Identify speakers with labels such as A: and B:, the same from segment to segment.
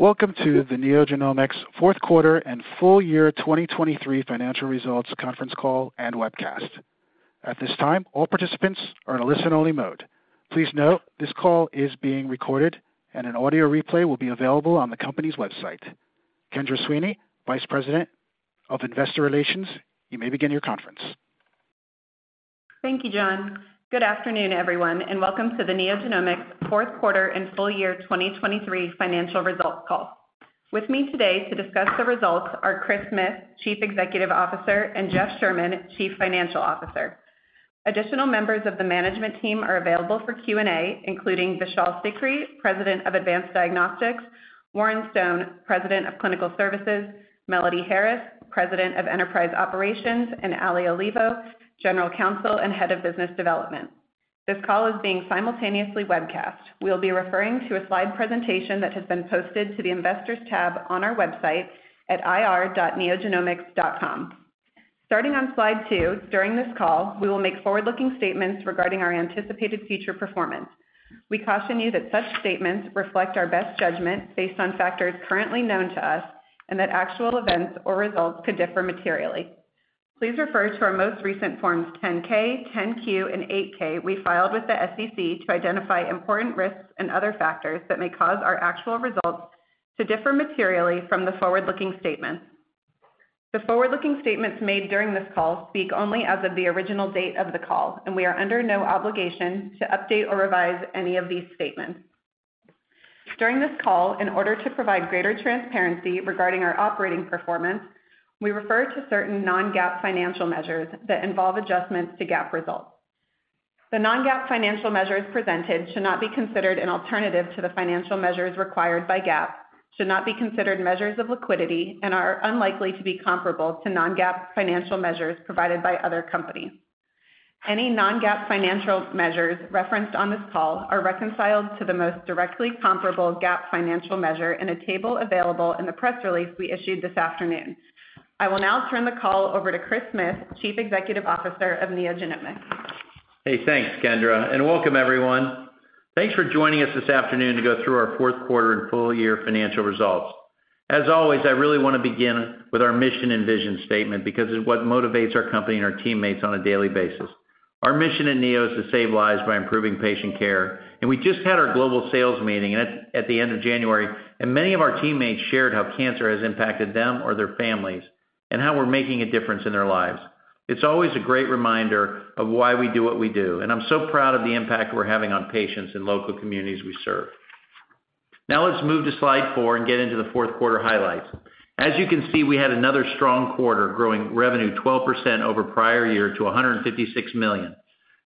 A: Welcome to the NeoGenomics fourth quarter and full year 2023 financial results conference call and webcast. At this time, all participants are in a listen-only mode. Please note, this call is being recorded and an audio replay will be available on the company's website. Kendra Sweeney, Vice President of Investor Relations, you may begin your conference.
B: Thank you, John. Good afternoon, everyone, and welcome to the NeoGenomics fourth quarter and full year 2023 financial results call. With me today to discuss the results are Chris Smith, Chief Executive Officer, and Jeff Sherman, Chief Financial Officer. Additional members of the management team are available for Q&A, including Vishal Sikri, President of Advanced Diagnostics, Warren Stone, President of Clinical Services, Melody Harris, President of Enterprise Operations, and Ali Olivo, General Counsel and Head of Business Development. This call is being simultaneously webcast. We'll be referring to a slide presentation that has been posted to the Investors tab on our website at ir.neogenomics.com. Starting on slide two, during this call, we will make forward-looking statements regarding our anticipated future performance. We caution you that such statements reflect our best judgment based on factors currently known to us, and that actual events or results could differ materially. Please refer to our most recent forms 10-K, 10-Q, and 8-K we filed with the SEC to identify important risks and other factors that may cause our actual results to differ materially from the forward-looking statements. The forward-looking statements made during this call speak only as of the original date of the call, and we are under no obligation to update or revise any of these statements. During this call, in order to provide greater transparency regarding our operating performance, we refer to certain non-GAAP financial measures that involve adjustments to GAAP results. The non-GAAP financial measures presented should not be considered an alternative to the financial measures required by GAAP, should not be considered measures of liquidity, and are unlikely to be comparable to non-GAAP financial measures provided by other companies. Any non-GAAP financial measures referenced on this call are reconciled to the most directly comparable GAAP financial measure in a table available in the press release we issued this afternoon. I will now turn the call over to Chris Smith, Chief Executive Officer of NeoGenomics.
C: Hey, thanks, Kendra, and welcome everyone. Thanks for joining us this afternoon to go through our fourth quarter and full year financial results. As always, I really want to begin with our mission and vision statement because it's what motivates our company and our teammates on a daily basis. Our mission at Neo is to save lives by improving patient care, and we just had our global sales meeting at, at the end of January, and many of our teammates shared how cancer has impacted them or their families, and how we're making a difference in their lives. It's always a great reminder of why we do what we do, and I'm so proud of the impact we're having on patients in local communities we serve. Now let's move to slide four and get into the fourth quarter highlights. As you can see, we had another strong quarter, growing revenue 12% over prior year to $156 million.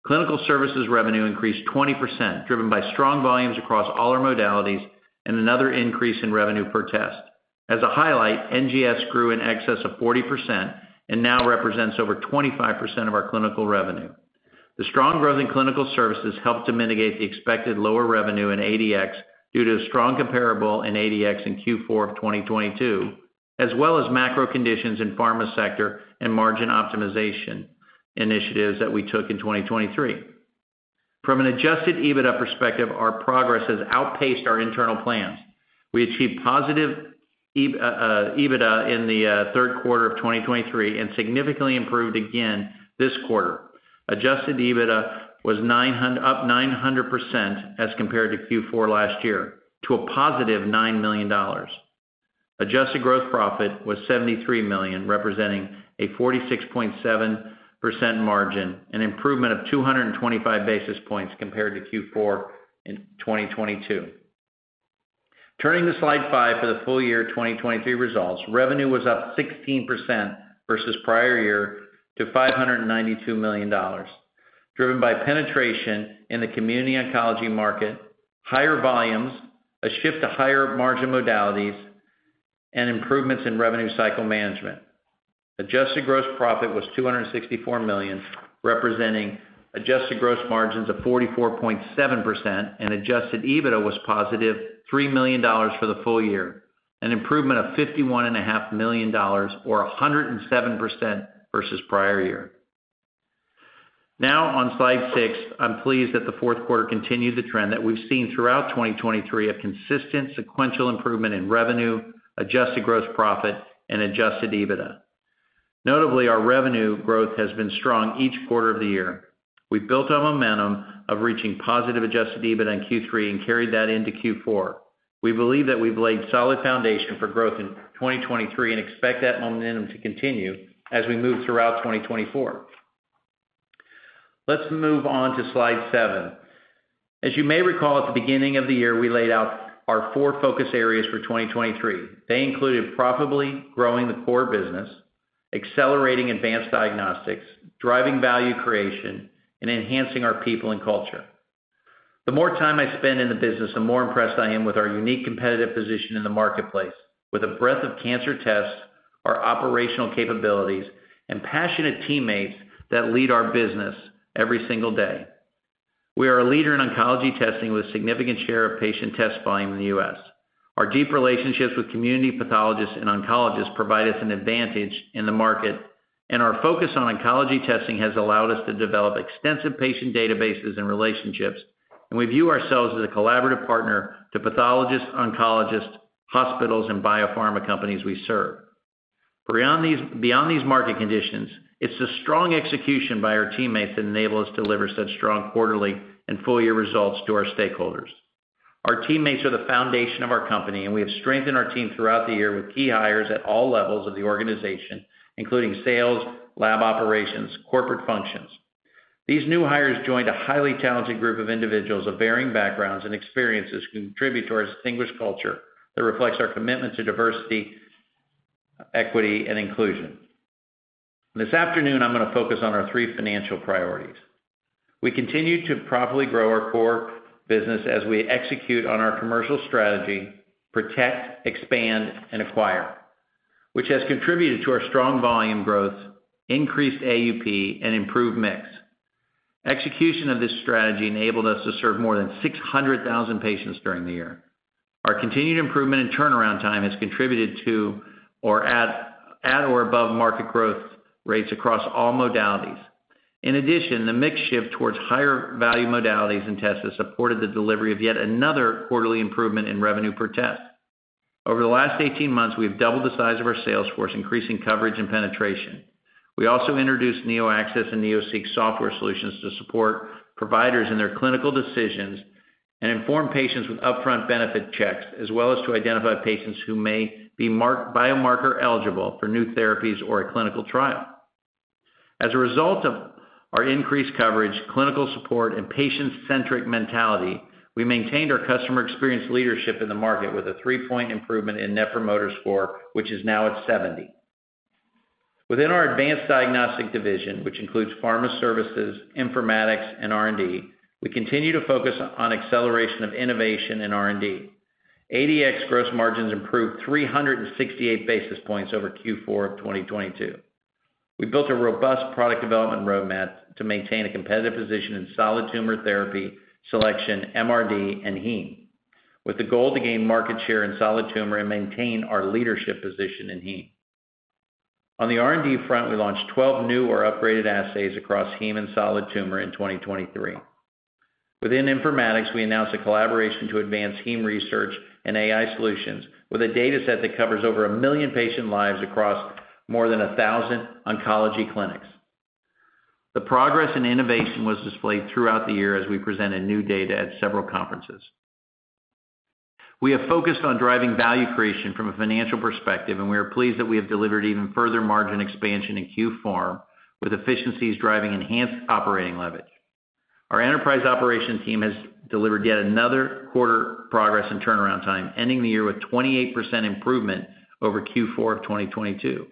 C: Clinical services revenue increased 20%, driven by strong volumes across all our modalities and another increase in revenue per test. As a highlight, NGS grew in excess of 40% and now represents over 25% of our clinical revenue. The strong growth in clinical services helped to mitigate the expected lower revenue in ADX, due to a strong comparable in ADX in Q4 of 2022, as well as macro conditions in pharma sector and margin optimization initiatives that we took in 2023. From an adjusted EBITDA perspective, our progress has outpaced our internal plans. We achieved positive EBITDA in the third quarter of 2023 and significantly improved again this quarter. Adjusted EBITDA was up 900% as compared to Q4 last year, to a positive $9 million. Adjusted gross profit was $73 million, representing a 46.7% margin, an improvement of 225 basis points compared to Q4 in 2022. Turning to slide five for the full year 2023 results, revenue was up 16% versus prior year to $592 million, driven by penetration in the community oncology market, higher volumes, a shift to higher margin modalities, and improvements in revenue cycle management. Adjusted gross profit was $264 million, representing adjusted gross margins of 44.7%, and adjusted EBITDA was positive $3 million for the full year, an improvement of $51.5 million or 107% versus prior year. Now, on slide six, I'm pleased that the fourth quarter continued the trend that we've seen throughout 2023, a consistent sequential improvement in revenue, adjusted gross profit, and adjusted EBITDA. Notably, our revenue growth has been strong each quarter of the year. We've built on momentum of reaching positive adjusted EBITDA in Q3 and carried that into Q4. We believe that we've laid solid foundation for growth in 2023 and expect that momentum to continue as we move throughout 2024. Let's move on to slide seven. As you may recall, at the beginning of the year, we laid out our 4 focus areas for 2023. They included profitably growing the core business, accelerating advanced diagnostics, driving value creation, and enhancing our people and culture. The more time I spend in the business, the more impressed I am with our unique competitive position in the marketplace, with a breadth of cancer tests, our operational capabilities, and passionate teammates that lead our business every single day. We are a leader in oncology testing with a significant share of patient test volume in the U.S. Our deep relationships with community pathologists and oncologists provide us an advantage in the market... and our focus on oncology testing has allowed us to develop extensive patient databases and relationships, and we view ourselves as a collaborative partner to pathologists, oncologists, hospitals, and biopharma companies we serve. Beyond these, beyond these market conditions, it's the strong execution by our teammates that enable us to deliver such strong quarterly and full year results to our stakeholders. Our teammates are the foundation of our company, and we have strengthened our team throughout the year with key hires at all levels of the organization, including sales, lab operations, corporate functions. These new hires joined a highly talented group of individuals of varying backgrounds and experiences who contribute to our distinguished culture that reflects our commitment to diversity, equity, and inclusion. This afternoon, I'm gonna focus on our three financial priorities. We continue to profitably grow our core business as we execute on our commercial strategy, protect, expand, and acquire, which has contributed to our strong volume growth, increased AUP, and improved mix. Execution of this strategy enabled us to serve more than 600,000 patients during the year. Our continued improvement in turnaround time has contributed to at or above market growth rates across all modalities. In addition, the mix shift towards higher value modalities and tests has supported the delivery of yet another quarterly improvement in revenue per test. Over the last 18 months, we've doubled the size of our sales force, increasing coverage and penetration. We also introduced NeoAccess and NeoSeek software solutions to support providers in their clinical decisions and inform patients with upfront benefit checks, as well as to identify patients who may be marked biomarker eligible for new therapies or a clinical trial. As a result of our increased coverage, clinical support, and patient-centric mentality, we maintained our customer experience leadership in the market with a 3-point improvement in Net Promoter Score, which is now at 70. Within our Advanced Diagnostics division, which includes pharma services, informatics, and R&D, we continue to focus on acceleration of innovation in R&D. ADX gross margins improved 368 basis points over Q4 of 2022. We built a robust product development roadmap to maintain a competitive position in solid tumor therapy, selection, MRD, and heme, with the goal to gain market share in solid tumor and maintain our leadership position in heme. On the R&D front, we launched 12 new or upgraded assays across heme and solid tumor in 2023. Within Informatics, we announced a collaboration to advance heme research and AI solutions with a dataset that covers over 1 million patient lives across more than 1,000 oncology clinics. The progress in innovation was displayed throughout the year as we presented new data at several conferences. We have focused on driving value creation from a financial perspective, and we are pleased that we have delivered even further margin expansion in Q4, with efficiencies driving enhanced operating leverage. Our enterprise operations team has delivered yet another quarter progress and turnaround time, ending the year with 28% improvement over Q4 of 2022.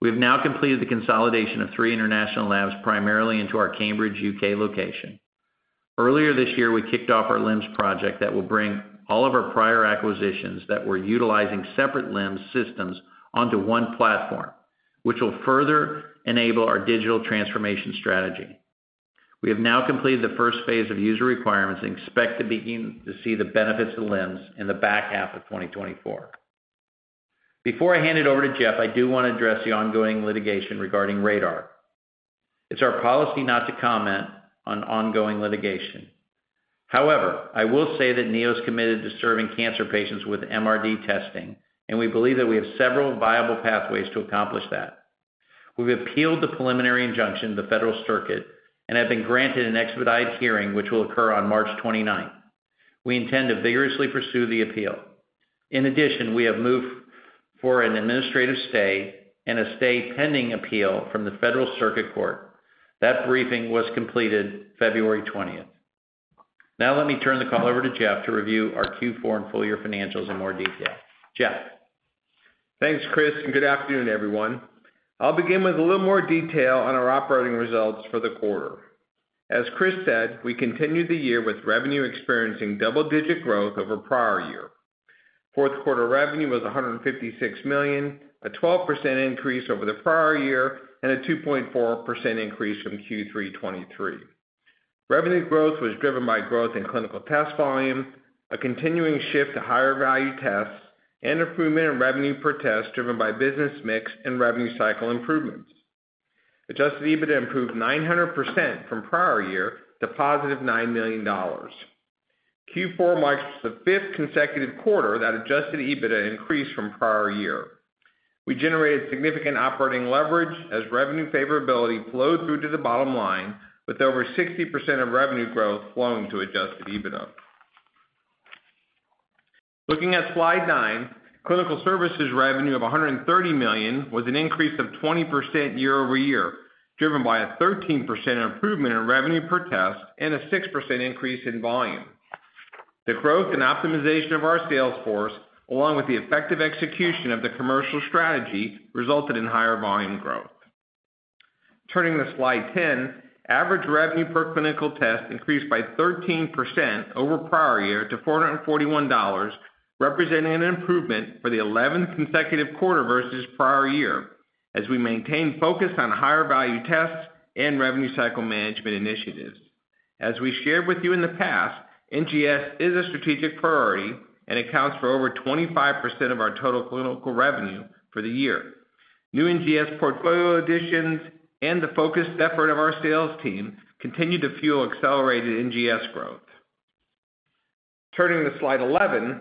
C: We have now completed the consolidation of three international labs, primarily into our Cambridge, UK, location. Earlier this year, we kicked off our LIMS project that will bring all of our prior acquisitions that were utilizing separate LIMS systems onto one platform, which will further enable our digital transformation strategy. We have now completed the first phase of user requirements and expect to begin to see the benefits of LIMS in the back half of 2024. Before I hand it over to Jeff, I do want to address the ongoing litigation regarding RaDaR. It's our policy not to comment on ongoing litigation. However, I will say that Neo's committed to serving cancer patients with MRD testing, and we believe that we have several viable pathways to accomplish that. We've appealed the preliminary injunction, the Federal Circuit, and have been granted an expedited hearing, which will occur on March 29th. We intend to vigorously pursue the appeal. In addition, we have moved for an administrative stay and a stay pending appeal from the Federal Circuit Court. That briefing was completed February 20th. Now let me turn the call over to Jeff to review our Q4 and full year financials in more detail. Jeff?
D: Thanks, Chris, and good afternoon, everyone. I'll begin with a little more detail on our operating results for the quarter. As Chris said, we continued the year with revenue experiencing double-digit growth over prior year. Fourth quarter revenue was $156 million, a 12% increase over the prior year, and a 2.4% increase from Q3 2023. Revenue growth was driven by growth in clinical test volume, a continuing shift to higher value tests, and improvement in revenue per test, driven by business mix and revenue cycle improvements. Adjusted EBITDA improved 900% from prior year to positive $9 million. Q4 marks the fifth consecutive quarter that adjusted EBITDA increased from prior year. We generated significant operating leverage as revenue favorability flowed through to the bottom line, with over 60% of revenue growth flowing to adjusted EBITDA. Looking at slide nine, clinical services revenue of $130 million was an increase of 20% year-over-year, driven by a 13% improvement in revenue per test and a 6% increase in volume. The growth and optimization of our sales force, along with the effective execution of the commercial strategy, resulted in higher volume growth. Turning to slide 10, average revenue per clinical test increased by 13% over prior year to $441, representing an improvement for the 11th consecutive quarter versus prior year, as we maintain focus on higher value tests and revenue cycle management initiatives.... As we shared with you in the past, NGS is a strategic priority and accounts for over 25% of our total clinical revenue for the year. New NGS portfolio additions and the focused effort of our sales team continue to fuel accelerated NGS growth. Turning to slide 11,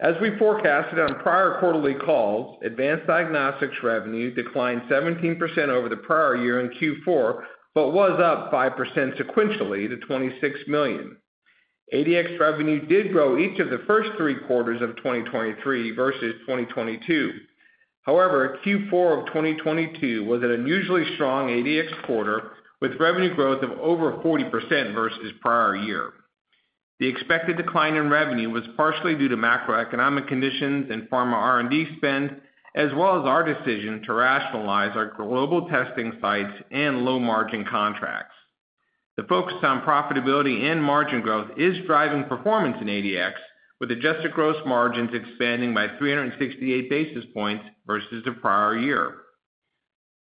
D: as we forecasted on prior quarterly calls, advanced diagnostics revenue declined 17% over the prior year in Q4, but was up 5% sequentially to $26 million. ADX revenue did grow each of the first three quarters of 2023 versus 2022. However, Q4 of 2022 was an unusually strong ADX quarter, with revenue growth of over 40% versus prior year. The expected decline in revenue was partially due to macroeconomic conditions and pharma R&D spend, as well as our decision to rationalize our global testing sites and low-margin contracts. The focus on profitability and margin growth is driving performance in ADX, with adjusted gross margins expanding by 368 basis points versus the prior year.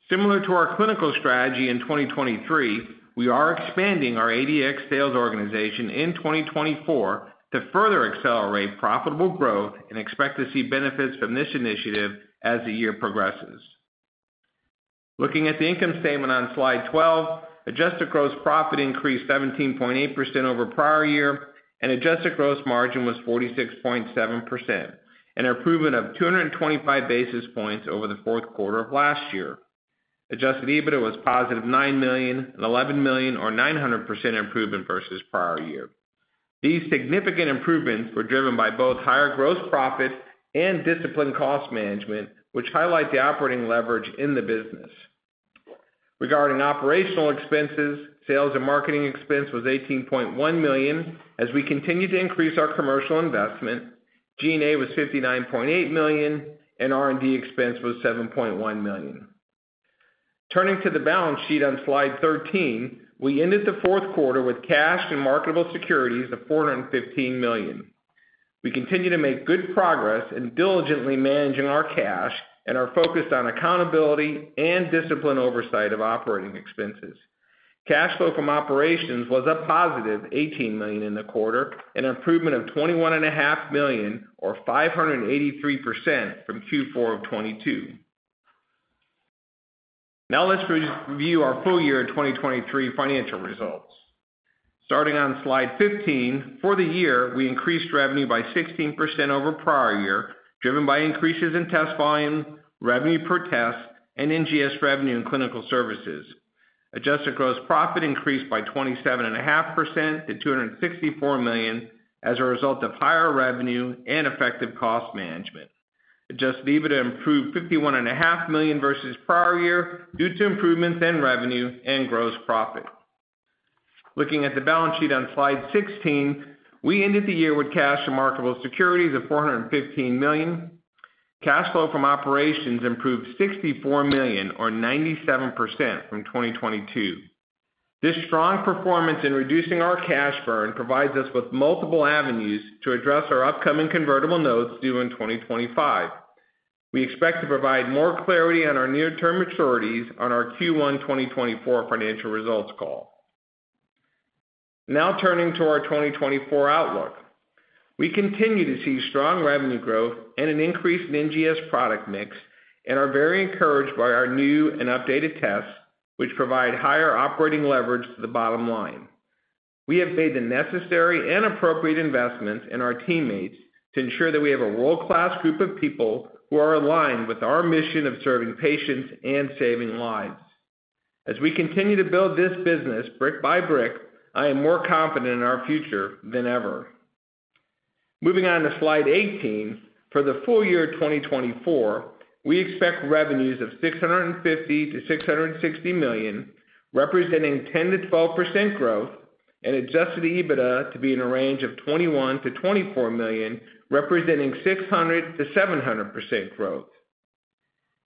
D: Similar to our clinical strategy in 2023, we are expanding our ADX sales organization in 2024 to further accelerate profitable growth and expect to see benefits from this initiative as the year progresses. Looking at the income statement on Slide 12, adjusted gross profit increased 17.8% over prior year, and adjusted gross margin was 46.7%, an improvement of 225 basis points over the fourth quarter of last year. Adjusted EBITDA was positive $9 million, and $11 million, or 900% improvement versus prior year. These significant improvements were driven by both higher gross profit and disciplined cost management, which highlight the operating leverage in the business. Regarding operational expenses, sales and marketing expense was $18.1 million, as we continue to increase our commercial investment, G&A was $59.8 million, and R&D expense was $7.1 million. Turning to the balance sheet on Slide 13, we ended the fourth quarter with cash and marketable securities of $415 million. We continue to make good progress in diligently managing our cash and are focused on accountability and disciplined oversight of operating expenses. Cash flow from operations was up positive $18 million in the quarter, an improvement of $21.5 million or 583% from Q4 of 2022. Now let's review our full year 2023 financial results. Starting on Slide 15, for the year, we increased revenue by 16% over prior year, driven by increases in test volume, revenue per test, and NGS revenue in clinical services. Adjusted gross profit increased by 27.5% to $264 million as a result of higher revenue and effective cost management. Adjusted EBITDA improved $51.5 million versus prior year due to improvements in revenue and gross profit. Looking at the balance sheet on Slide 16, we ended the year with cash and marketable securities of $415 million. Cash flow from operations improved $64 million or 97% from 2022. This strong performance in reducing our cash burn provides us with multiple avenues to address our upcoming convertible notes due in 2025. We expect to provide more clarity on our near-term maturities on our Q1 2024 financial results call. Now turning to our 2024 outlook. We continue to see strong revenue growth and an increase in NGS product mix, and are very encouraged by our new and updated tests, which provide higher operating leverage to the bottom line. We have made the necessary and appropriate investments in our teammates to ensure that we have a world-class group of people who are aligned with our mission of serving patients and saving lives. As we continue to build this business brick by brick, I am more confident in our future than ever. Moving on to Slide 18, for the full year of 2024, we expect revenues of $650 million-$660 million, representing 10%-12% growth, and adjusted EBITDA to be in a range of $21 million-$24 million, representing 600%-700% growth.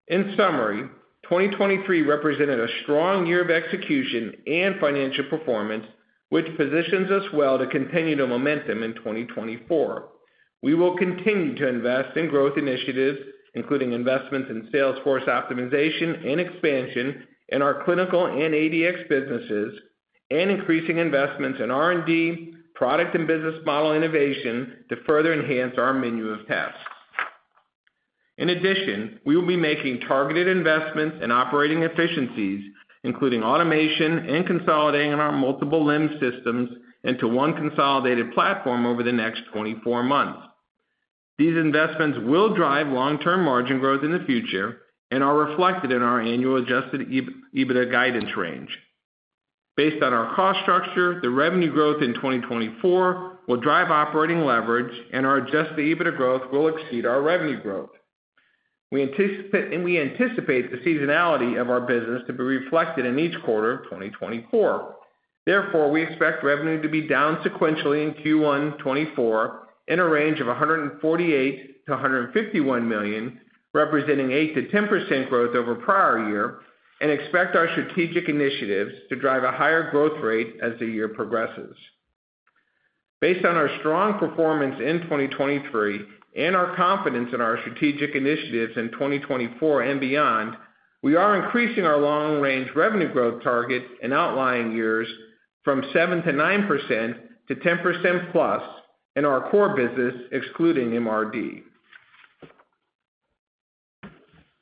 D: In summary, 2023 represented a strong year of execution and financial performance, which positions us well to continue the momentum in 2024. We will continue to invest in growth initiatives, including investments in salesforce optimization and expansion in our clinical and ADX businesses, and increasing investments in R&D, product and business model innovation to further enhance our menu of tests. In addition, we will be making targeted investments in operating efficiencies, including automation and consolidating our multiple LIMS systems into one consolidated platform over the next 24 months. These investments will drive long-term margin growth in the future and are reflected in our annual adjusted EBITDA guidance range. Based on our cost structure, the revenue growth in 2024 will drive operating leverage, and our adjusted EBITDA growth will exceed our revenue growth. And we anticipate the seasonality of our business to be reflected in each quarter of 2024. Therefore, we expect revenue to be down sequentially in Q1 2024 in a range of $148 million-$151 million, representing 8%-10% growth over prior year, and expect our strategic initiatives to drive a higher growth rate as the year progresses. Based on our strong performance in 2023 and our confidence in our strategic initiatives in 2024 and beyond, we are increasing our long-range revenue growth target in outlying years from 7%-9% to 10%+ in our core business, excluding MRD.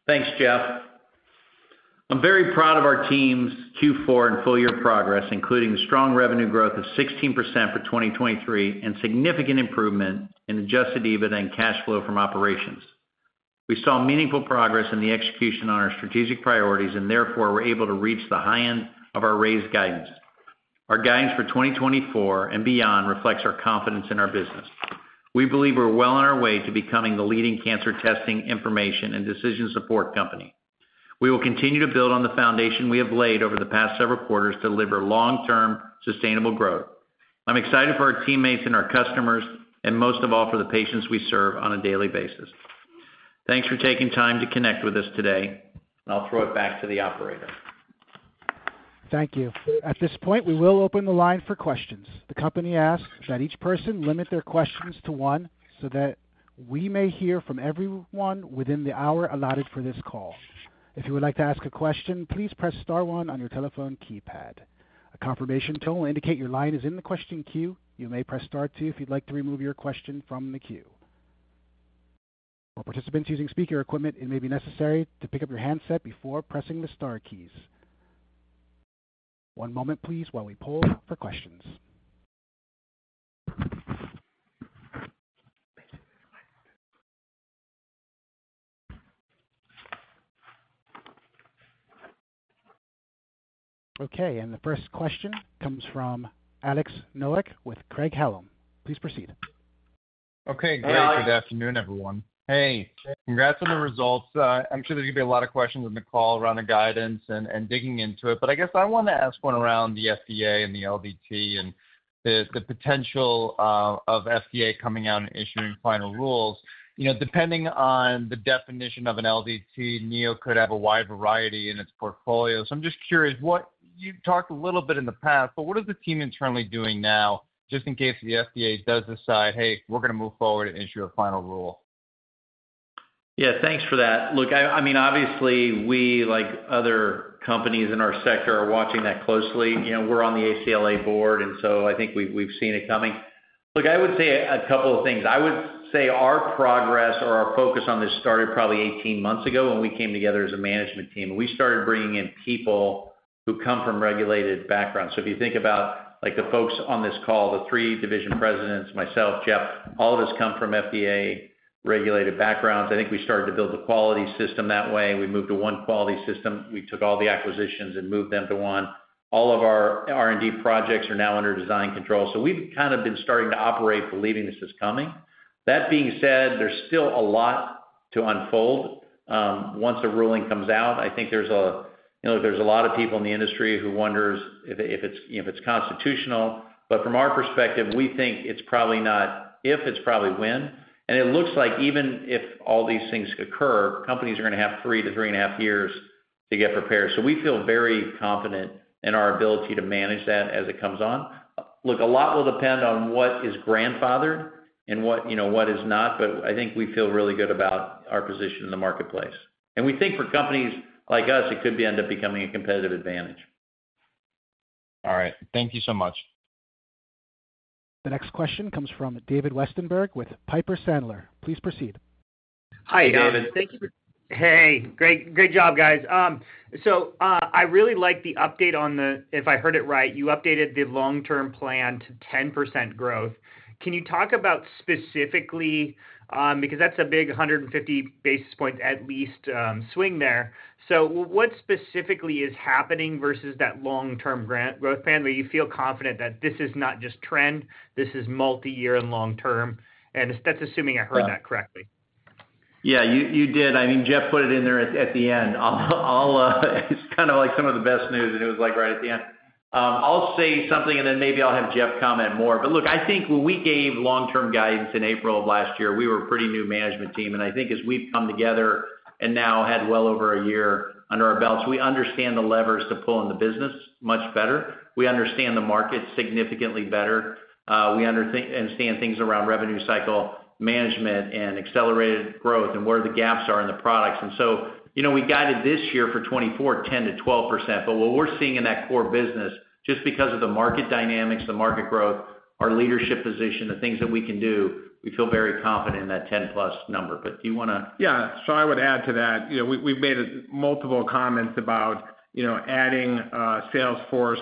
C: Thanks, Jeff. I'm very proud of our team's Q4 and full year progress, including the strong revenue growth of 16% for 2023 and significant improvement in adjusted EBITDA and cash flow from operations. We saw meaningful progress in the execution on our strategic priorities, and therefore we're able to reach the high end of our raised guidance. Our guidance for 2024 and beyond reflects our confidence in our business. We believe we're well on our way to becoming the leading cancer testing information and decision support company. We will continue to build on the foundation we have laid over the past several quarters to deliver long-term, sustainable growth. I'm excited for our teammates and our customers, and most of all, for the patients we serve on a daily basis. Thanks for taking time to connect with us today, and I'll throw it back to the operator.
A: Thank you. At this point, we will open the line for questions. The company asks that each person limit their questions to one so that we may hear from everyone within the hour allotted for this call. If you would like to ask a question, please press star one on your telephone keypad. A confirmation tone will indicate your line is in the question queue. You may press star two if you'd like to remove your question from the queue. For participants using speaker equipment, it may be necessary to pick up your handset before pressing the star keys. One moment, please, while we poll for questions. Okay, and the first question comes from Alex Nowak with Craig-Hallum. Please proceed.
E: Okay, great. Good afternoon, everyone. Hey, congrats on the results. I'm sure there's going to be a lot of questions on the call around the guidance and, and digging into it, but I guess I want to ask one around the FDA and the LDT and the, the potential, of FDA coming out and issuing final rules. You know, depending on the definition of an LDT, Neo could have a wide variety in its portfolio. So I'm just curious, what... You've talked a little bit in the past, but what is the team internally doing now, just in case the FDA does decide, "Hey, we're going to move forward and issue a final rule?
C: Yeah, thanks for that. Look, I mean, obviously, we, like other companies in our sector, are watching that closely. You know, we're on the ACLA board, and so I think we've seen it coming. Look, I would say a couple of things. I would say our progress or our focus on this started probably 18 months ago when we came together as a management team, and we started bringing in people who come from regulated backgrounds. So if you think about, like, the folks on this call, the three division presidents, myself, Jeff, all of us come from FDA-regulated backgrounds. I think we started to build the quality system that way. We moved to one quality system. We took all the acquisitions and moved them to one. All of our R&D projects are now under design control. So we've kind of been starting to operate, believing this is coming. That being said, there's still a lot to unfold once the ruling comes out. I think there's, you know, a lot of people in the industry who wonders if it's, you know, if it's constitutional. But from our perspective, we think it's probably not if, it's probably when. And it looks like even if all these things occur, companies are going to have 3-3.5 years to get prepared. So we feel very confident in our ability to manage that as it comes on. Look, a lot will depend on what is grandfathered and what, you know, what is not, but I think we feel really good about our position in the marketplace. And we think for companies like us, it could end up becoming a competitive advantage.
E: All right. Thank you so much.
A: The next question comes from David Westenberg with Piper Sandler. Please proceed.
C: Hi, David.
F: Thank you. Hey, great, great job, guys. So, I really like the update on the... If I heard it right, you updated the long-term plan to 10% growth. Can you talk about specifically, because that's a big 150 basis points, at least, swing there. So what specifically is happening versus that long-term grand growth plan, where you feel confident that this is not just trend, this is multiyear and long-term? And that's assuming I heard that correctly.
C: Yeah, you did. I mean, Jeff put it in there at the end. I'll, it's kind of like some of the best news, and it was like right at the end. I'll say something, and then maybe I'll have Jeff comment more. But look, I think when we gave long-term guidance in April of last year, we were a pretty new management team, and I think as we've come together and now had well over a year under our belts, we understand the levers to pull in the business much better. We understand the market significantly better. We understand things around revenue cycle management and accelerated growth and where the gaps are in the products. So, you know, we guided this year for 2024, 10%-12%, but what we're seeing in that core business, just because of the market dynamics, the market growth, our leadership position, the things that we can do, we feel very confident in that 10+ number. But do you wanna-
D: Yeah. So I would add to that, you know, we, we've made multiple comments about, you know, adding sales force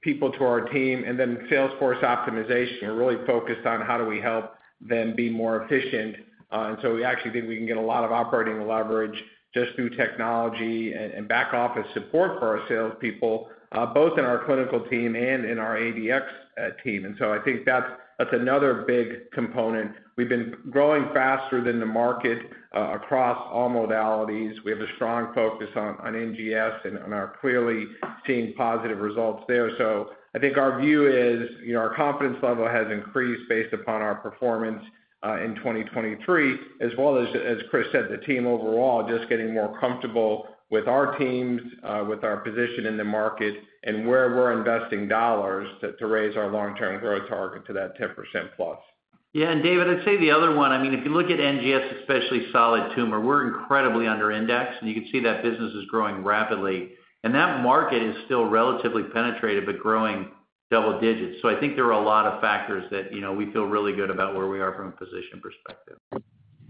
D: people to our team and then sales force optimization. We're really focused on how do we help them be more efficient, and so we actually think we can get a lot of operating leverage just through technology and back office support for our salespeople, both in our clinical team and in our ADX team. And so I think that's another big component. We've been growing faster than the market across all modalities. We have a strong focus on NGS and are clearly seeing positive results there. I think our view is, you know, our confidence level has increased based upon our performance in 2023, as well as, as Chris said, the team overall just getting more comfortable with our teams, with our position in the market and where we're investing dollars to raise our long-term growth target to that 10%+....
C: Yeah, and David, I'd say the other one. I mean, if you look at NGS, especially solid tumor, we're incredibly under indexed, and you can see that business is growing rapidly. That market is still relatively penetrated, but growing double digits. So I think there are a lot of factors that, you know, we feel really good about where we are from a position perspective.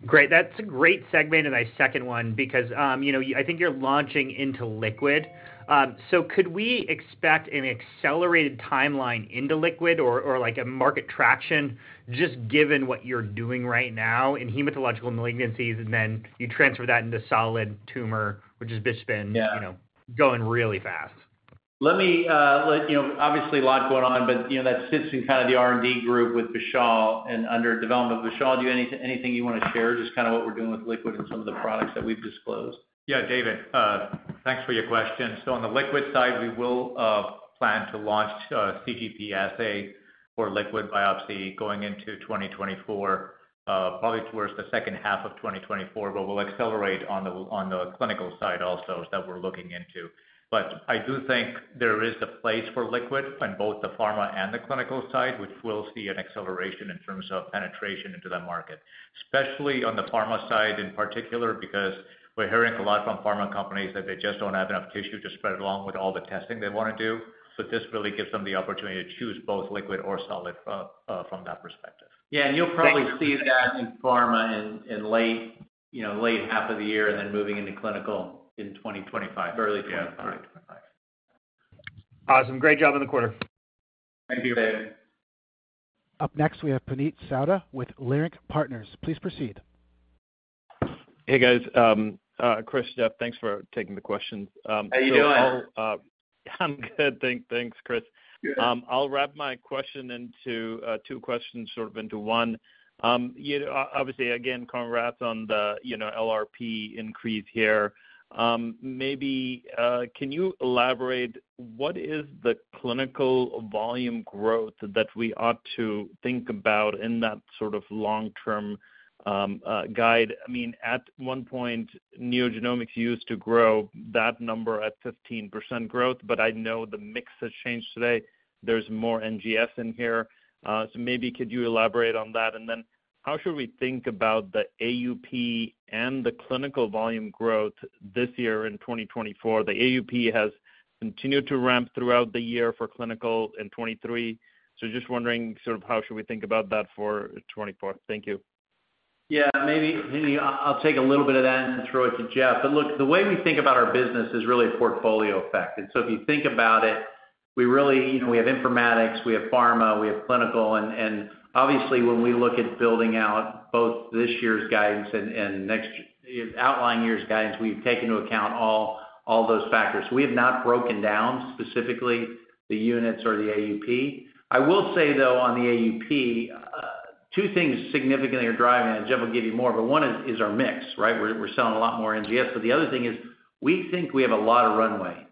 F: Great. That's a great segment, and I second one because, you know, I think you're launching into liquid. So could we expect an accelerated timeline into liquid or, or like a market traction, just given what you're doing right now in hematological malignancies, and then you transfer that into solid tumor, which has just been-
C: Yeah
F: you know, going really fast?
C: Let me let you know, obviously, a lot going on, but, you know, that sits in kind of the R&D group with Vishal and under development. Vishal, do you have anything you want to share? Just kind of what we're doing with liquid and some of the products that we've disclosed.
G: Yeah, David, thanks for your question. So on the liquid side, we will plan to launch CGP assay for liquid biopsy going into 2024, probably towards the second half of 2024, but we'll accelerate on the clinical side also, that we're looking into. But I do think there is a place for liquid on both the pharma and the clinical side, which we'll see an acceleration in terms of penetration into that market. Especially on the pharma side, in particular, because we're hearing a lot from pharma companies that they just don't have enough tissue to spread along with all the testing they want to do. So this really gives them the opportunity to choose both liquid or solid from that perspective.
C: Yeah, and you'll probably see that in pharma in late, you know, late half of the year, and then moving into clinical in 2025, early 2025.
D: Yeah, correct.
F: Awesome. Great job in the quarter.
C: Thank you, David.
A: Up next, we have Puneet Souda with Leerink Partners. Please proceed.
H: Hey, guys. Chris, Jeff, thanks for taking the question.
C: How are you doing?
H: I'm good. Thanks, Chris.
C: Good.
H: I'll wrap my question into two questions, sort of into one. You know, obviously, again, congrats on the, you know, LRP increase here. Maybe can you elaborate, what is the clinical volume growth that we ought to think about in that sort of long-term guide? I mean, at one point, NeoGenomics used to grow that number at 15% growth, but I know the mix has changed today. There's more NGS in here. So maybe could you elaborate on that? And then how should we think about the AUP and the clinical volume growth this year in 2024? The AUP has continued to ramp throughout the year for clinical in 2023. So just wondering, sort of, how should we think about that for 2024? Thank you.
C: Yeah, maybe, maybe I'll take a little bit of that and throw it to Jeff. But look, the way we think about our business is really a portfolio effect. And so if you think about it, we really... You know, we have informatics, we have pharma, we have clinical, and, and obviously, when we look at building out both this year's guidance and, and next year, outlying years' guidance, we've taken into account all, all those factors. We have not broken down specifically the units or the AUP. I will say, though, on the AUP, two things significantly are driving it. Jeff will give you more, but one is, is our mix, right? We're, we're selling a lot more NGS. But the other thing is, we think we have a lot of runway on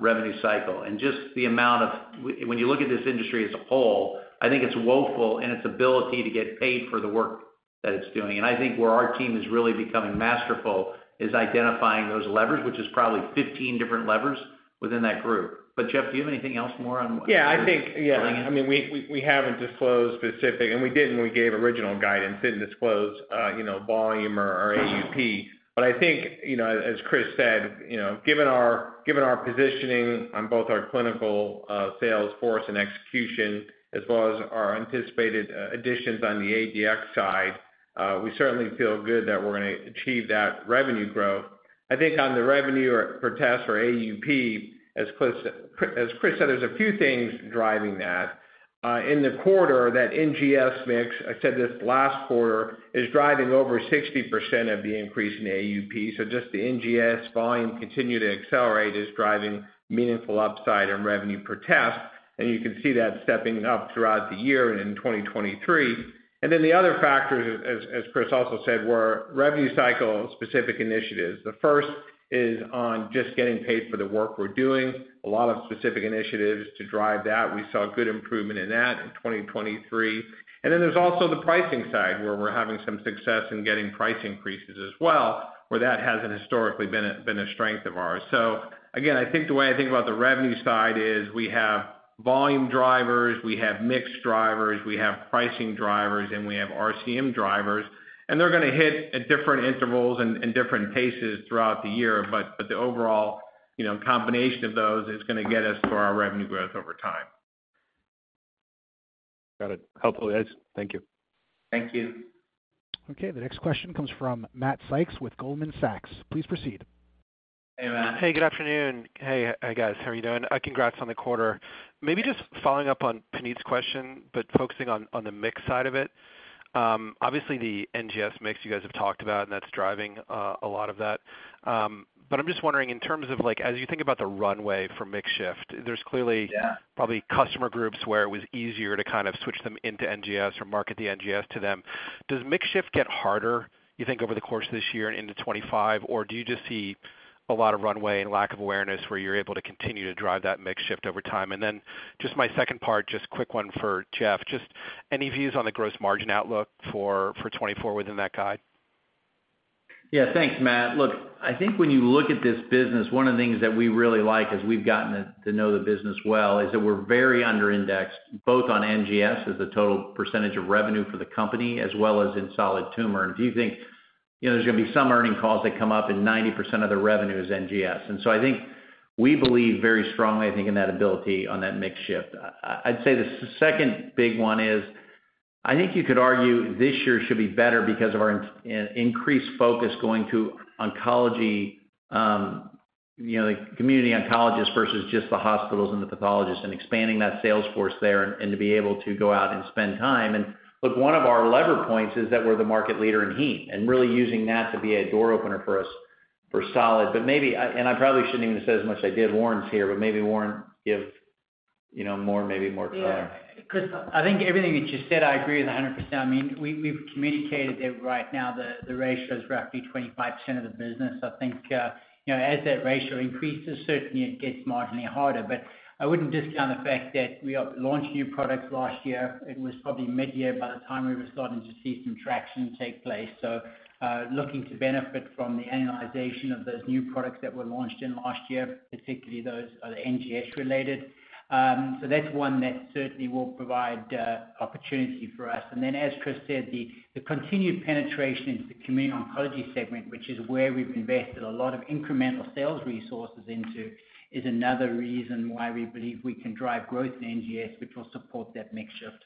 C: revenue cycle and just the amount of, when you look at this industry as a whole, I think it's woeful in its ability to get paid for the work that it's doing. And I think where our team is really becoming masterful is identifying those levers, which is probably 15 different levers within that group. But Jeff, do you have anything else more on-
D: Yeah, I think, yeah. I mean, we haven't disclosed specific, and we didn't when we gave original guidance, didn't disclose, you know, volume or AUP. But I think, you know, as Chris said, you know, given our positioning on both our clinical sales force and execution, as well as our anticipated additions on the ADX side, we certainly feel good that we're gonna achieve that revenue growth. I think on the revenue or per test or AUP, as Chris said, there's a few things driving that. In the quarter, that NGS mix, I said this last quarter, is driving over 60% of the increase in AUP. So just the NGS volume continue to accelerate, is driving meaningful upside in revenue per test, and you can see that stepping up throughout the year and in 2023. Then the other factor, as Chris also said, were revenue cycle-specific initiatives. The first is on just getting paid for the work we're doing. A lot of specific initiatives to drive that. We saw good improvement in that in 2023. And then there's also the pricing side, where we're having some success in getting price increases as well, where that hasn't historically been a strength of ours. So again, I think the way I think about the revenue side is, we have volume drivers, we have mixed drivers, we have pricing drivers, and we have RCM drivers, and they're gonna hit at different intervals and different paces throughout the year. But the overall, you know, combination of those is gonna get us to our revenue growth over time.
H: Got it. Helpful, guys. Thank you.
C: Thank you.
A: Okay, the next question comes from Matt Sykes with Goldman Sachs. Please proceed.
C: Hey, Matt.
I: Hey, good afternoon. Hey, hi, guys, how are you doing? Congrats on the quarter. Maybe just following up on Puneet's question, but focusing on the mix side of it. Obviously, the NGS mix you guys have talked about, and that's driving a lot of that. But I'm just wondering, in terms of like, as you think about the runway for mix shift, there's clearly-
C: Yeah...
I: probably customer groups where it was easier to kind of switch them into NGS or market the NGS to them. Does mix shift get harder, you think, over the course of this year and into 2025? Or do you just see a lot of runway and lack of awareness where you're able to continue to drive that mix shift over time? And then just my second part, just quick one for Jeff. Just any views on the gross margin outlook for, for 2024 within that guide? ...
C: Yeah, thanks, Matt. Look, I think when you look at this business, one of the things that we really like as we've gotten to know the business well, is that we're very under-indexed, both on NGS, as the total percentage of revenue for the company, as well as in solid tumor. And do you think, you know, there's gonna be some earnings calls that come up, and 90% of the revenue is NGS? And so I think we believe very strongly, I think, in that ability on that mix shift. I'd say the second big one is, I think you could argue this year should be better because of our increased focus going to oncology, you know, the community oncologist versus just the hospitals and the pathologists, and expanding that sales force there, and to be able to go out and spend time. And look, one of our lever points is that we're the market leader in heme, and really using that to be a door opener for us for solid. But maybe, and I probably shouldn't even have said as much I did. Warren's here, but maybe, Warren, give you know more, maybe more color.
J: Yeah. Chris, I think everything that you said, I agree with 100%. I mean, we, we've communicated that right now the ratio is roughly 25% of the business. I think, you know, as that ratio increases, certainly it gets marginally harder. But I wouldn't discount the fact that we launched new products last year. It was probably mid-year by the time we were starting to see some traction take place. So, looking to benefit from the annualization of those new products that were launched in last year, particularly those that are NGS related. So that's one that certainly will provide opportunity for us. And then, as Chris said, the continued penetration into the community oncology segment, which is where we've invested a lot of incremental sales resources into, is another reason why we believe we can drive growth in NGS, which will support that mix shift.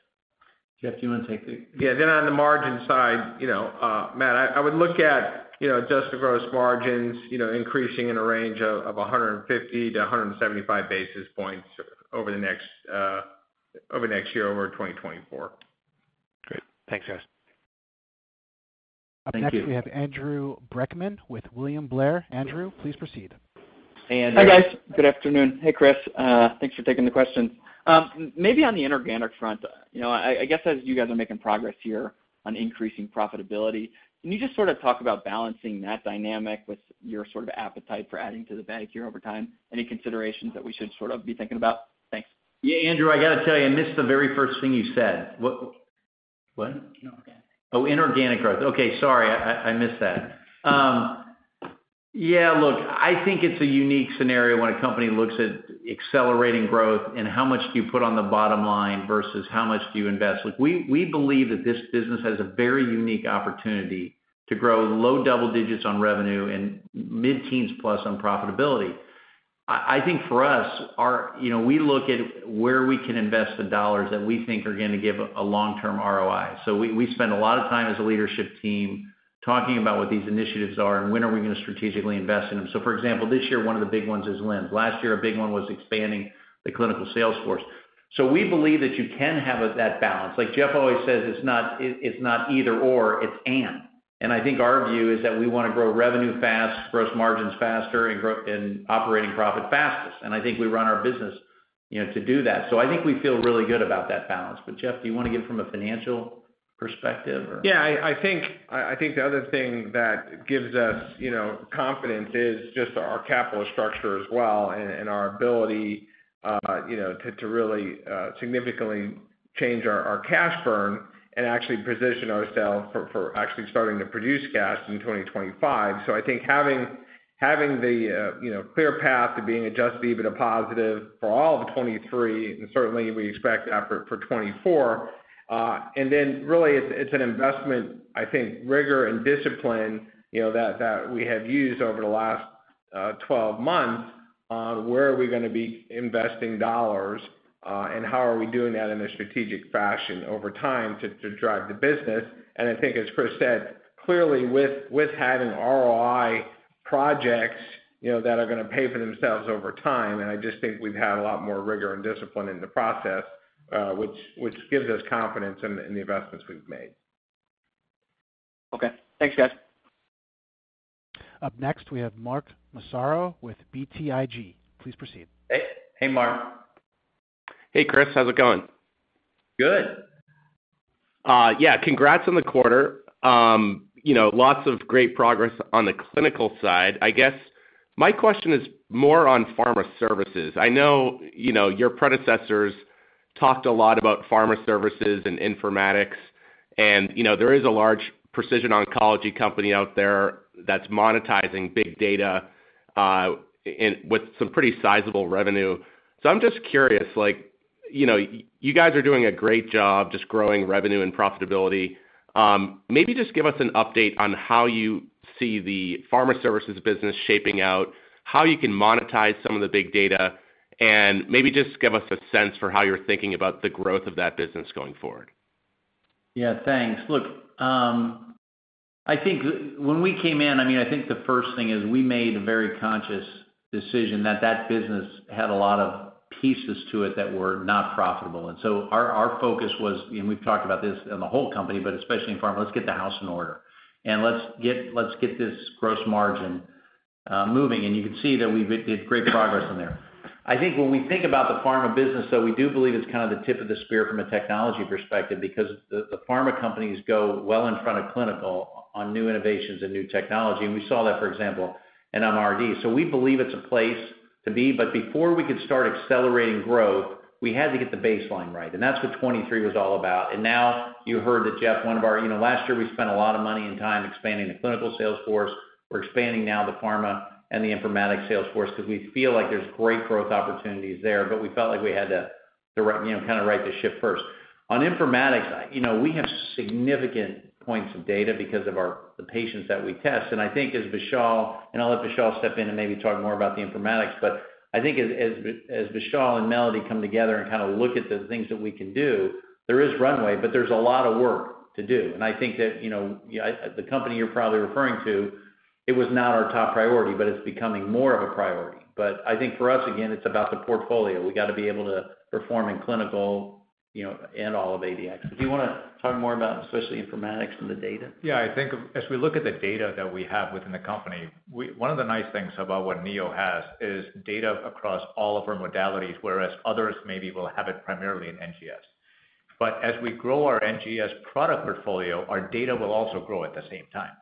C: Jeff, do you want to take the-
D: Yeah, then on the margin side, you know, Matt, I, I would look at, you know, adjusted gross margins, you know, increasing in a range of 150-175 basis points over the next, over the next year, over 2024.
I: Great. Thanks, guys.
D: Thank you.
A: Up next, we have Andrew Brackman with William Blair. Andrew, please proceed.
C: Hey, Andrew.
K: Hi, guys. Good afternoon. Hey, Chris, thanks for taking the questions. Maybe on the inorganic front, you know, I guess, as you guys are making progress here on increasing profitability, can you just sort of talk about balancing that dynamic with your sort of appetite for adding to the bank here over time? Any considerations that we should sort of be thinking about? Thanks.
C: Yeah, Andrew, I got to tell you, I missed the very first thing you said. What? What?
K: Inorganic.
C: Oh, inorganic growth. Okay, sorry, I missed that. Yeah, look, I think it's a unique scenario when a company looks at accelerating growth and how much do you put on the bottom line versus how much do you invest. Look, we believe that this business has a very unique opportunity to grow low double digits on revenue and mid-teens plus on profitability. I think for us, our... You know, we look at where we can invest the dollars that we think are going to give a long-term ROI. So we spend a lot of time as a leadership team talking about what these initiatives are and when are we going to strategically invest in them. So, for example, this year, one of the big ones is LIMS. Last year, a big one was expanding the clinical sales force. So we believe that you can have that balance. Like Jeff always says, it's not, it's not either/or, it's and. I think our view is that we want to grow revenue fast, gross margins faster, and operating profit fastest, and I think we run our business, you know, to do that. So I think we feel really good about that balance. But, Jeff, do you want to give it from a financial perspective or?
D: Yeah, I think, I think the other thing that gives us, you know, confidence is just our capital structure as well, and our ability, you know, to really significantly change our cash burn and actually position ourselves for actually starting to produce cash in 2025. So I think having the, you know, clear path to being Adjusted EBITDA positive for all of 2023, and certainly we expect for 2024. And then really, it's an investment, I think, rigor and discipline, you know, that we have used over the last 12 months on where are we gonna be investing dollars, and how are we doing that in a strategic fashion over time to drive the business. I think as Chris said, clearly, with having ROI projects, you know, that are gonna pay for themselves over time, and I just think we've had a lot more rigor and discipline in the process, which gives us confidence in the investments we've made.
K: Okay, thanks, guys.
A: Up next, we have Mark Massaro with BTIG. Please proceed.
C: Hey, hey, Mark.
L: Hey, Chris, how's it going?
C: Good.
L: Yeah, congrats on the quarter. You know, lots of great progress on the clinical side. I guess my question is more on pharma services. I know, you know, your predecessors talked a lot about pharma services and informatics, and, you know, there is a large precision oncology company out there that's monetizing big data with some pretty sizable revenue. So I'm just curious, like, you know, you guys are doing a great job just growing revenue and profitability. Maybe just give us an update on how you see the pharma services business shaping out, how you can monetize some of the big data, and maybe just give us a sense for how you're thinking about the growth of that business going forward?
C: Yeah, thanks. Look, I think when we came in, I mean, I think the first thing is, we made a very conscious decision that that business had a lot of pieces to it that were not profitable. And so our focus was, and we've talked about this in the whole company, but especially in pharma, let's get the house in order, and let's get this gross margin moving. And you can see that we've made great progress in there. I think when we think about the pharma business, so we do believe it's kind of the tip of the spear from a technology perspective, because the pharma companies go well in front of clinical on new innovations and new technology. And we saw that, for example, in MRD. So we believe it's a place to be, but before we could start accelerating growth, we had to get the baseline right, and that's what 2023 was all about. And now, you heard that Jeff, one of our... You know, last year, we spent a lot of money and time expanding the clinical sales force. We're expanding now the pharma and the informatics sales force, because we feel like there's great growth opportunities there, but we felt like we had to run, you know, kind of right the ship first. On informatics, you know, we have significant points of data because of our patients that we test. And I think as Vishal, and I'll let Vishal step in and maybe talk more about the informatics, but I think as Vishal and Melody come together and kind of look at the things that we can do, there is runway, but there's a lot of work to do. And I think that, you know, I, the company you're probably referring to, it was not our top priority, but it's becoming more of a priority. But I think for us, again, it's about the portfolio. We got to be able to perform in clinical, you know, and all of ADX. Do you want to talk more about, especially informatics and the data?
G: Yeah, I think as we look at the data that we have within the company, one of the nice things about what Neo has is data across all of our modalities, whereas others maybe will have it primarily in NGS. But as we grow our NGS product portfolio, our data will also grow at the same time.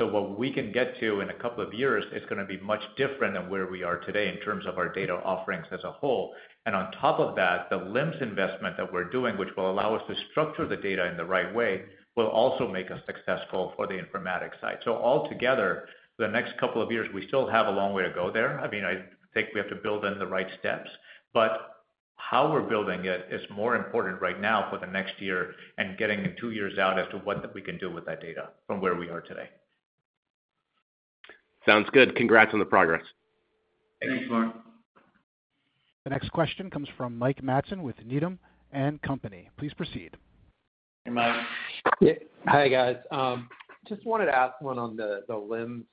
G: So what we can get to in a couple of years is going to be much different than where we are today in terms of our data offerings as a whole. And on top of that, the LIMS investment that we're doing, which will allow us to structure the data in the right way, will also make us successful for the informatics side. So altogether, the next couple of years, we still have a long way to go there. I mean, I think we have to build in the right steps, but how we're building it is more important right now for the next year and getting it two years out as to what we can do with that data from where we are today.
L: Sounds good. Congrats on the progress.
G: Thanks, Mark.
A: The next question comes from Mike Matson with Needham and Company. Please proceed.
C: Hey, Mike.
M: Yeah. Hi, guys. Just wanted to ask one on the LIMS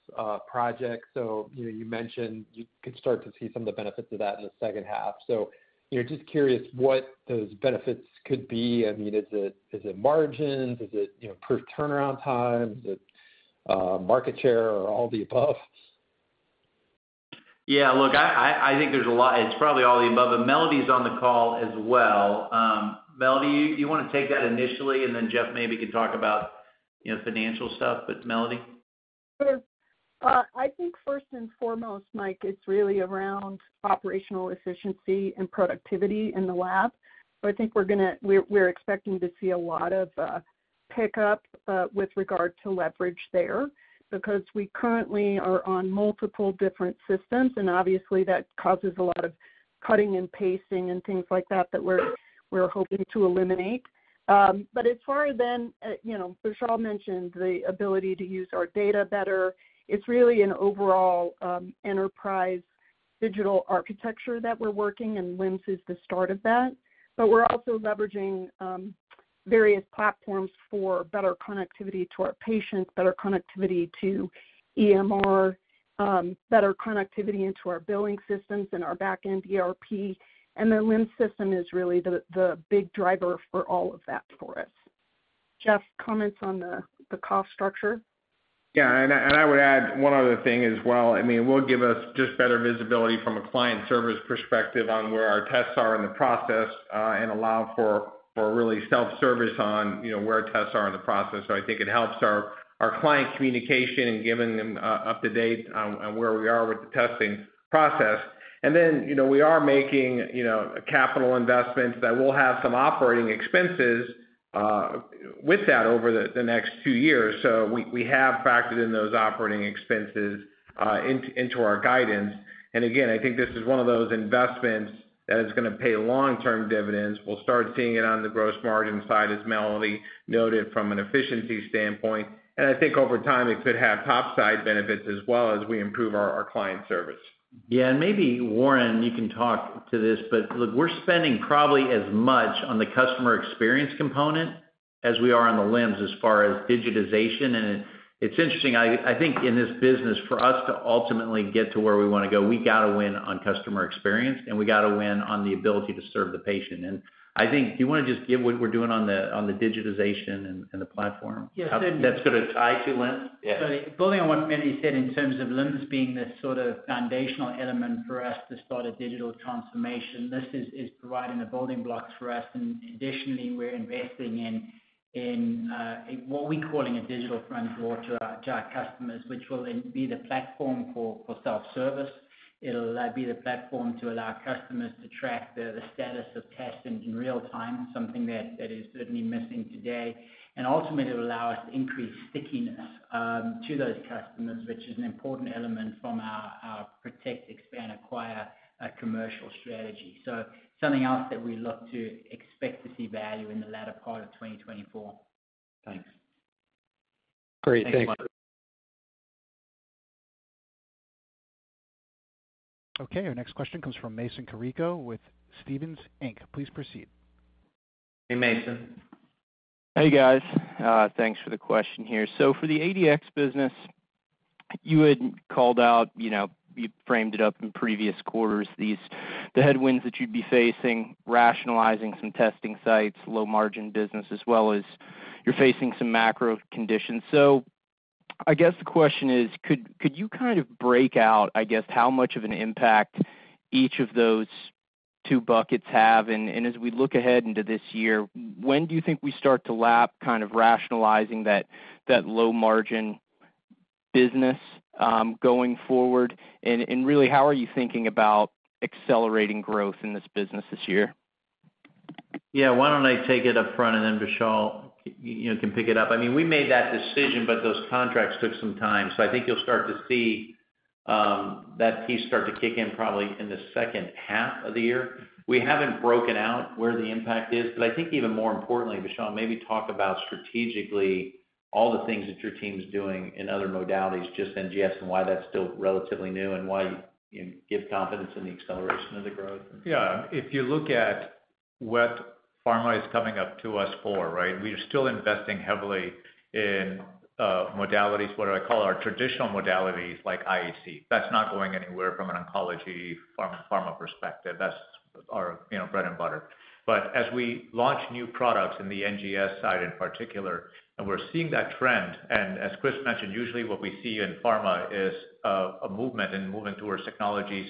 M: project. So, you know, you mentioned you could start to see some of the benefits of that in the second half. So, you know, just curious what those benefits could be. I mean, is it margins? Is it, you know, per turnaround times, is it market share or all the above?
C: Yeah, look, I think there's a lot—It's probably all the above, and Melody's on the call as well. Melody, do you want to take that initially, and then Jeff maybe could talk about, you know, financial stuff, but Melody?
N: Sure. I think first and foremost, Mike, it's really around operational efficiency and productivity in the lab. So I think we're expecting to see a lot of pickup with regard to leverage there, because we currently are on multiple different systems, and obviously, that causes a lot of cutting and pasting and things like that that we're hoping to eliminate. But as far as then, you know, Vishal mentioned the ability to use our data better. It's really an overall enterprise digital architecture that we're working, and LIMS is the start of that. But we're also leveraging various platforms for better connectivity to our patients, better connectivity to EMR, better connectivity into our billing systems and our back-end ERP. And the LIMS system is really the big driver for all of that for us. Jeff, comments on the cost structure?
D: Yeah, and I, and I would add one other thing as well. I mean, it will give us just better visibility from a client service perspective on where our tests are in the process, and allow for really self-service on, you know, where tests are in the process. So I think it helps our client communication and giving them up to date on where we are with the testing process. And then, you know, we are making, you know, a capital investment that will have some operating expenses with that over the next two years. So we have factored in those operating expenses into our guidance. And again, I think this is one of those investments that is going to pay long-term dividends. We'll start seeing it on the gross margin side, as Melody noted, from an efficiency standpoint. I think over time, it could have upside benefits as well as we improve our client service.
C: Yeah, and maybe, Warren, you can talk to this, but look, we're spending probably as much on the customer experience component as we are on the LIMS as far as digitization. And it, it's interesting, I, I think in this business, for us to ultimately get to where we want to go, we got to win on customer experience, and we got to win on the ability to serve the patient. And I think, do you want to just give what we're doing on the, on the digitization and, and the platform?
J: Yeah, certainly.
C: That's going to tie to LIMS? Yes.
J: So building on what Melody said in terms of LIMS being this sort of foundational element for us to start a digital transformation, this is providing the building blocks for us. And additionally, we're investing in what we're calling a digital front door to our customers, which will then be the platform for self-service. It'll be the platform to allow customers to track the status of testing in real time, something that is certainly missing today. And ultimately, it will allow us to increase stickiness to those customers, which is an important element from our protect, expand, acquire commercial strategy. So something else that we look to expect to see value in the latter part of 2024. Thanks.
M: Great. Thank you.
A: Okay, our next question comes from Mason Carrico with Stephens Inc. Please proceed.
C: Hey, Mason.
O: Hey, guys. Thanks for the question here. So for the ADX business, you had called out, you know, you framed it up in previous quarters, these the headwinds that you'd be facing, rationalizing some testing sites, low margin business, as well as you're facing some macro conditions. So I guess the question is, could you kind of break out, I guess, how much of an impact each of those two buckets have? And as we look ahead into this year, when do you think we start to lap kind of rationalizing that low margin business going forward? And really, how are you thinking about accelerating growth in this business this year?
C: Yeah, why don't I take it up front and then Vishal, you know, can pick it up. I mean, we made that decision, but those contracts took some time. So I think you'll start to see-... that piece start to kick in probably in the second half of the year. We haven't broken out where the impact is, but I think even more importantly, Vishal, maybe talk about strategically, all the things that your team's doing in other modalities, just NGS, and why that's still relatively new, and why you give confidence in the acceleration of the growth.
G: Yeah. If you look at what pharma is coming up to us for, right? We are still investing heavily in, modalities, what I call our traditional modalities, like IHC. That's not going anywhere from an oncology pharma, pharma perspective. That's our, you know, bread and butter. But as we launch new products in the NGS side, in particular, and we're seeing that trend, and as Chris mentioned, usually what we see in pharma is, a movement and moving towards technologies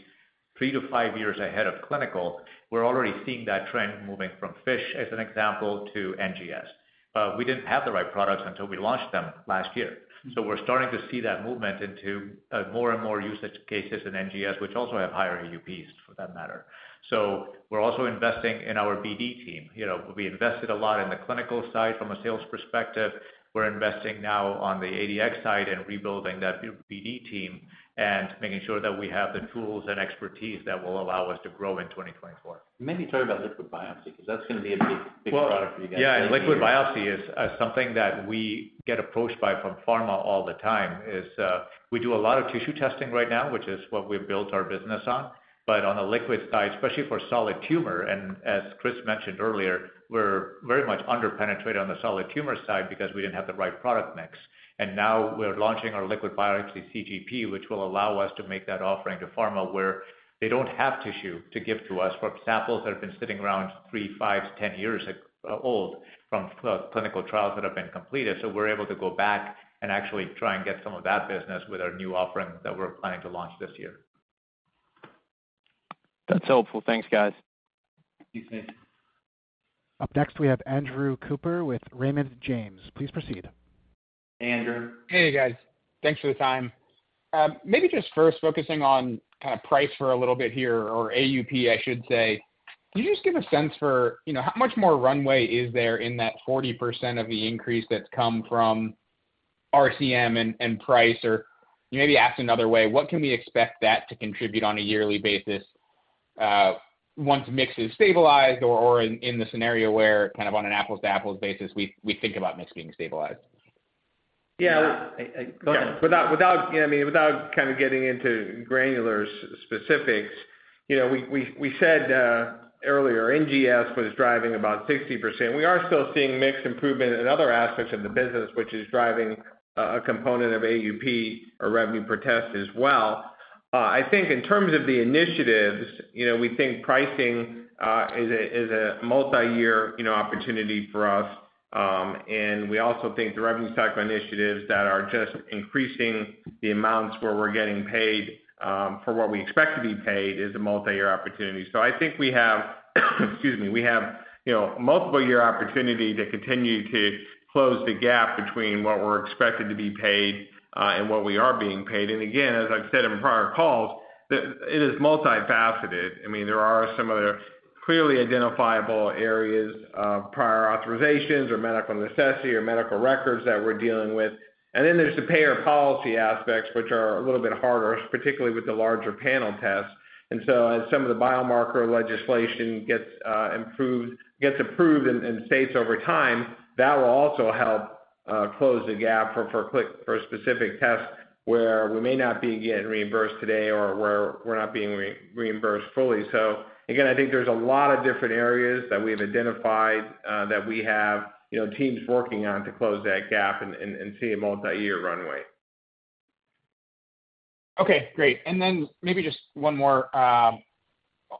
G: 3-5 years ahead of clinical. We're already seeing that trend moving from FISH, as an example, to NGS. We didn't have the right products until we launched them last year. So we're starting to see that movement into, more and more usage cases in NGS, which also have higher AUPs, for that matter. So we're also investing in our BD team. You know, we invested a lot in the clinical side from a sales perspective. We're investing now on the ADX side and rebuilding that BD team and making sure that we have the tools and expertise that will allow us to grow in 2024.
O: Maybe talk about liquid biopsy, 'cause that's gonna be a big, big product for you guys.
G: Well, yeah, liquid biopsy is something that we get approached by from pharma all the time, we do a lot of tissue testing right now, which is what we've built our business on. But on the liquid side, especially for solid tumor, and as Chris mentioned earlier, we're very much under-penetrated on the solid tumor side because we didn't have the right product mix. And now we're launching our liquid biopsy CGP, which will allow us to make that offering to pharma, where they don't have tissue to give to us, for samples that have been sitting around 3, 5, 10 years old from clinical trials that have been completed. So we're able to go back and actually try and get some of that business with our new offering that we're planning to launch this year.
O: That's helpful. Thanks, guys.
G: You too.
A: Up next, we have Andrew Cooper with Raymond James. Please proceed.
C: Andrew?
P: Hey, guys. Thanks for the time. Maybe just first focusing on kind of price for a little bit here, or AUP, I should say. Can you just give a sense for, you know, how much more runway is there in that 40% of the increase that's come from RCM and price? Or maybe asked another way, what can we expect that to contribute on a yearly basis once mix is stabilized or in the scenario where kind of on an apples-to-apples basis, we think about mix being stabilized?
C: Yeah. Without I mean, without kind of getting into granular specifics, you know, we said earlier, NGS was driving about 60%. We are still seeing mixed improvement in other aspects of the business, which is driving a component of AUP or revenue per test as well. I think in terms of the initiatives, you know, we think pricing is a multi-year, you know, opportunity for us. And we also think the revenue cycle initiatives that are just increasing the amounts where we're getting paid for what we expect to be paid is a multi-year opportunity. So I think we have, excuse me, we have, you know, multiple year opportunity to continue to close the gap between what we're expected to be paid and what we are being paid. And again, as I've said in prior calls, it is multifaceted. I mean, there are some other clearly identifiable areas of prior authorizations or medical necessity or medical records that we're dealing with. And then there's the payer policy aspects, which are a little bit harder, particularly with the larger panel tests. And so as some of the biomarker legislation gets improved, gets approved in states over time, that will also help close the gap for a specific test where we may not be getting reimbursed today or where we're not being reimbursed fully. So again, I think there's a lot of different areas that we have identified that we have, you know, teams working on to close that gap and see a multi-year runway.
P: Okay, great. And then maybe just one more.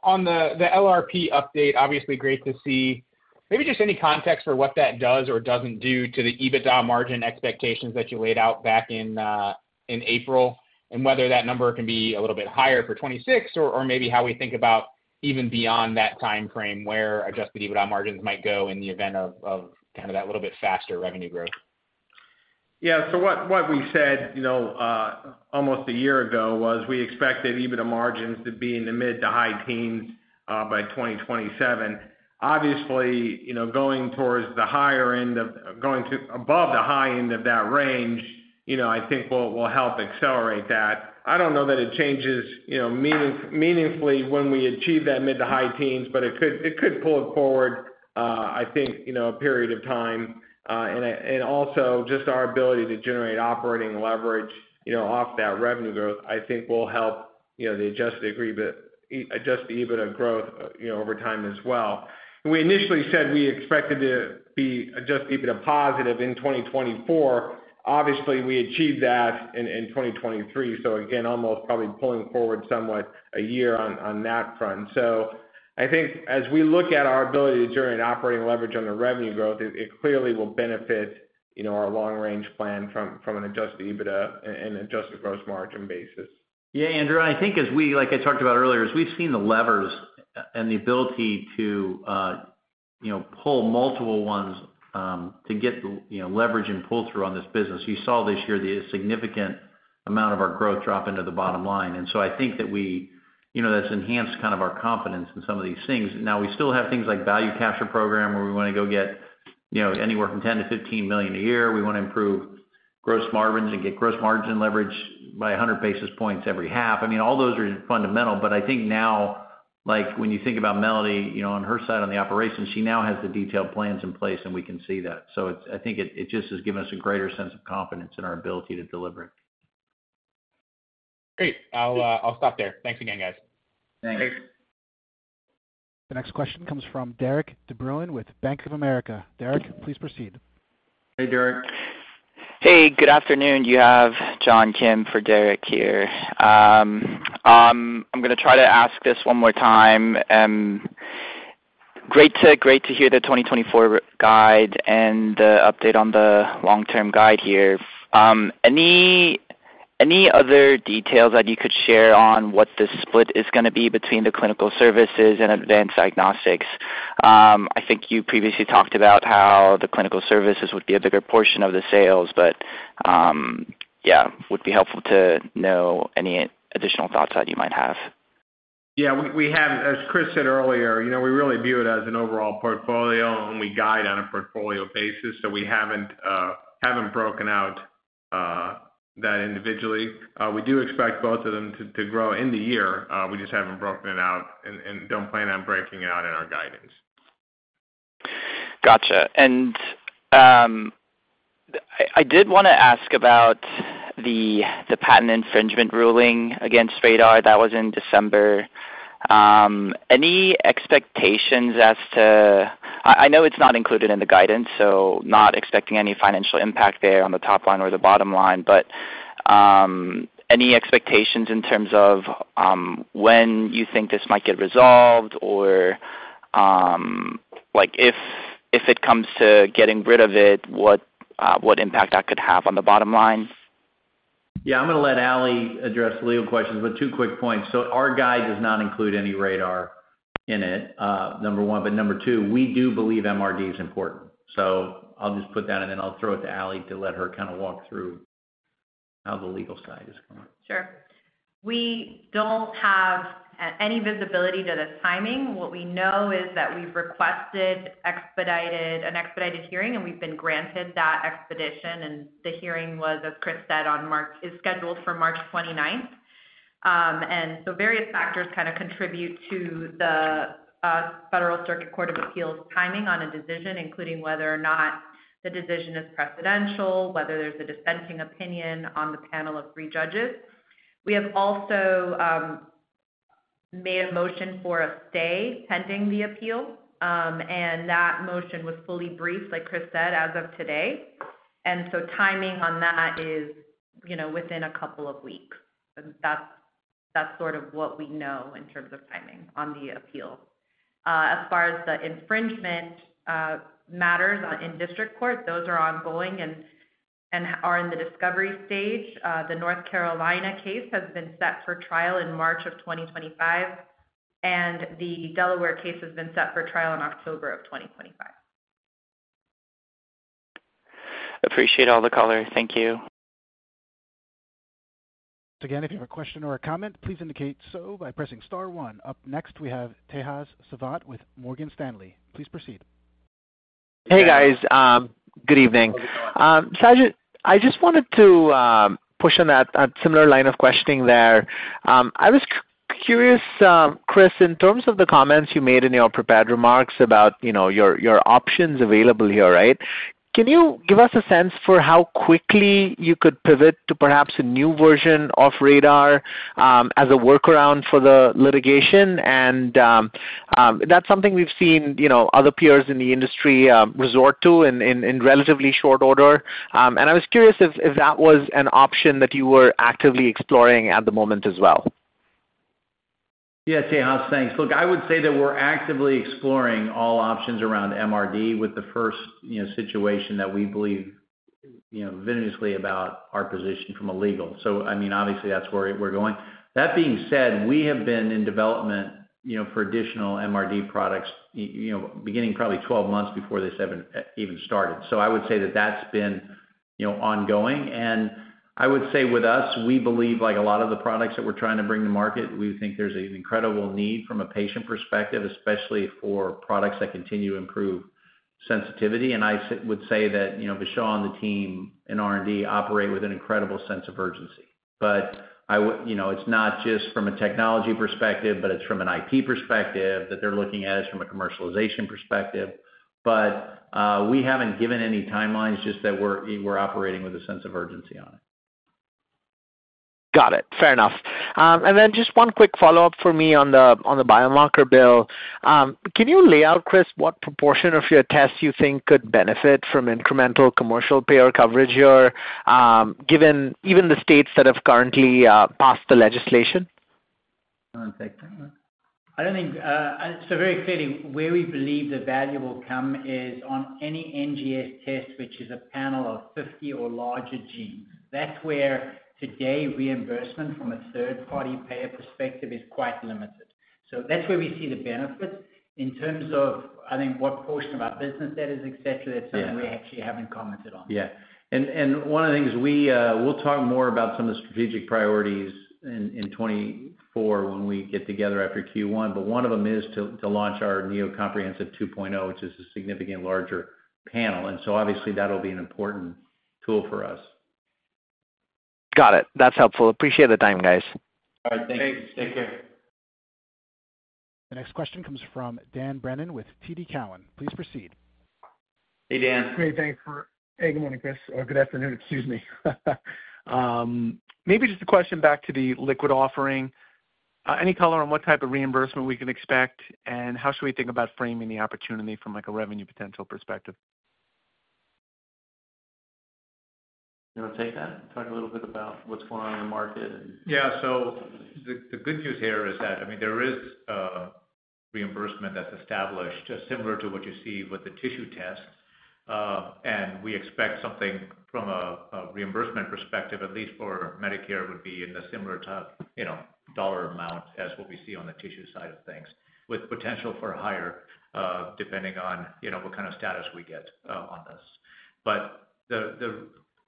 P: On the LRP update, obviously, great to see. Maybe just any context for what that does or doesn't do to the EBITDA margin expectations that you laid out back in April, and whether that number can be a little bit higher for 2026, or maybe how we think about even beyond that timeframe, where adjusted EBITDA margins might go in the event of kind of that little bit faster revenue growth.
C: Yeah. So what we said, you know, almost a year ago, was we expected EBITDA margins to be in the mid- to high teens by 2027. Obviously, you know, going towards the higher end of, going to above the high end of that range, you know, I think will help accelerate that. I don't know that it changes, you know, meaningfully when we achieve that mid- to high teens, but it could, it could pull it forward, I think, you know, a period of time. And also, just our ability to generate operating leverage, you know, off that revenue growth, I think will help, you know, the adjusted EBITDA, adjust the EBITDA growth, you know, over time as well. We initially said we expected to be adjusted EBITDA positive in 2024. Obviously, we achieved that in 2023, so again, almost probably pulling forward somewhat a year on that front. So I think as we look at our ability to generate operating leverage on the revenue growth, it clearly will benefit, you know, our long-range plan from an Adjusted EBITDA and adjusted gross margin basis.
D: Yeah, Andrew, and I think as we—like I talked about earlier, as we've seen the levers and the ability to, you know, pull multiple ones, to get, you know, leverage and pull through on this business. You saw this year the significant amount of our growth drop into the bottom line. And so I think that we, you know, that's enhanced kind of our confidence in some of these things. Now, we still have things like value capture program, where we want to go get... you know, anywhere from $10-$15 million a year. We want to improve gross margins and get gross margin leverage by 100 basis points every half. I mean, all those are fundamental, but I think now, like, when you think about Melody, you know, on her side, on the operations, she now has the detailed plans in place, and we can see that. So it's. I think it, it just has given us a greater sense of confidence in our ability to deliver it.
K: Great. I'll, I'll stop there. Thanks again, guys.
C: Thanks.
A: The next question comes from Derik de Bruin with Bank of America. Derek, please proceed.
C: Hey, Derek.
Q: Hey, good afternoon. You have John Kim for Derik here. I'm gonna try to ask this one more time. Great to hear the 2024 guide and the update on the long-term guide here. Any other details that you could share on what the split is gonna be between the clinical services and advanced diagnostics? I think you previously talked about how the clinical services would be a bigger portion of the sales, but yeah, would be helpful to know any additional thoughts that you might have.
D: Yeah, we have. As Chris said earlier, you know, we really view it as an overall portfolio, and we guide on a portfolio basis, so we haven't broken out that individually. We do expect both of them to grow in the year. We just haven't broken it out and don't plan on breaking it out in our guidance.
Q: Gotcha. And, I did wanna ask about the patent infringement ruling against RaDaR that was in December. Any expectations as to... I know it's not included in the guidance, so not expecting any financial impact there on the top line or the bottom line, but, any expectations in terms of, when you think this might get resolved, or, like, if it comes to getting rid of it, what impact that could have on the bottom line?
C: Yeah, I'm gonna let Ali address the legal questions, but two quick points. So our guide does not include any RaDaR in it, number one. But number two, we do believe MRD is important. So I'll just put that, and then I'll throw it to Ali to let her kind of walk through how the legal side is going.
R: Sure. We don't have any visibility to the timing. What we know is that we've requested an expedited hearing, and we've been granted that expedition, and the hearing is scheduled for March twenty-ninth, as Chris said. And so various factors kind of contribute to the Federal Circuit Court of Appeals timing on a decision, including whether or not the decision is precedential, whether there's a dissenting opinion on the panel of three judges. We have also made a motion for a stay pending the appeal, and that motion was fully briefed, like Chris said, as of today. And so timing on that is, you know, within a couple of weeks. That's sort of what we know in terms of timing on the appeal. As far as the infringement matters ongoing in district court, those are ongoing and are in the discovery stage. The North Carolina case has been set for trial in March of 2025, and the Delaware case has been set for trial in October of 2025.
Q: Appreciate all the color. Thank you.
A: Again, if you have a question or a comment, please indicate so by pressing star one. Up next, we have Tejas Savant with Morgan Stanley. Please proceed.
S: Hey, guys. Good evening. So just, I just wanted to push on that, a similar line of questioning there. I was curious, Chris, in terms of the comments you made in your prepared remarks about, you know, your, your options available here, right? Can you give us a sense for how quickly you could pivot to perhaps a new version of RaDaR, as a workaround for the litigation? And, that's something we've seen, you know, other peers in the industry, resort to in relatively short order. And I was curious if that was an option that you were actively exploring at the moment as well.
C: Yeah, Tejas, thanks. Look, I would say that we're actively exploring all options around MRD with the first, you know, situation that we believe, you know, vigorously about our position from a legal. So I mean, obviously that's where we're going. That being said, we have been in development, you know, for additional MRD products, you know, beginning probably 12 months before this even started. So I would say that that's been, you know, ongoing, and I would say with us, we believe, like a lot of the products that we're trying to bring to market, we think there's an incredible need from a patient perspective, especially for products that continue to improve sensitivity. And I would say that, you know, Vishal and the team in R&D operate with an incredible sense of urgency. But you know, it's not just from a technology perspective, but it's from an IP perspective, that they're looking at it from a commercialization perspective. But we haven't given any timelines, just that we're operating with a sense of urgency on it.
S: Got it. Fair enough. And then just one quick follow-up for me on the biomarker bill. Can you lay out, Chris, what proportion of your tests you think could benefit from incremental commercial payer coverage here, given even the states that have currently passed the legislation?
C: You want to take that one?
J: I don't think. So very clearly, where we believe the value will come is on any NGS test, which is a panel of 50 or larger genes. That's where today reimbursement from a third-party payer perspective is quite limited. So that's where we see the benefit. In terms of, I think, what portion of our business that is et cetera.
C: Yeah...
J: that's something we actually haven't commented on.
C: Yeah. And one of the things we, we'll talk more about some of the strategic priorities in, in 2024 when we get together after Q1, but one of them is to launch our Neo Comprehensive 2.0, which is a significant larger panel. And so obviously, that'll be an important tool for us. ...
S: Got it. That's helpful. Appreciate the time, guys.
C: All right, thank you. Take care.
A: The next question comes from Dan Brennan with TD Cowen. Please proceed.
C: Hey, Dan.
T: Great, thanks. Hey, good morning, Chris, or good afternoon, excuse me. Maybe just a question back to the liquid offering. Any color on what type of reimbursement we can expect, and how should we think about framing the opportunity from, like, a revenue potential perspective?
C: You want to take that? Talk a little bit about what's going on in the market and-
D: Yeah, so the good news here is that, I mean, there is reimbursement that's established, similar to what you see with the tissue test. And we expect something from a reimbursement perspective, at least for Medicare, would be in a similar to, you know, dollar amount as what we see on the tissue side of things, with potential for higher, depending on, you know, what kind of status we get, on this. But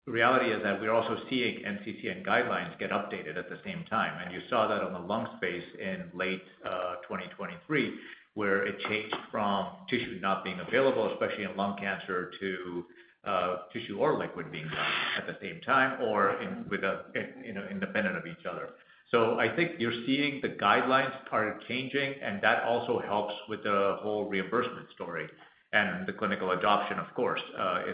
D: the reality is that we're also seeing NCCN guidelines get updated at the same time, and you saw that on the lung space in late 2023, where it changed from tissue not being available, especially in lung cancer, to tissue or liquid being done at the same time or in, with, you know, independent of each other. I think you're seeing the guidelines are changing, and that also helps with the whole reimbursement story and the clinical adoption, of course,